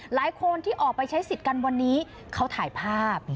หลายคนที่ออกไปใช้สิทธิ์กันวันนี้เขาถ่ายภาพ